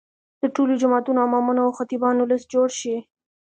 د ټولو جوماتونو امامانو او خطیبانو لست جوړ شي.